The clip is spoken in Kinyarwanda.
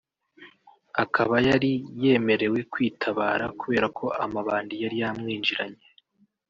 akaba yari yemerewe kwitabara kubera ko amabandi yari yamwinjiranye